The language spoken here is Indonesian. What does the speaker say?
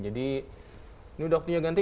jadi ini sudah waktunya ganti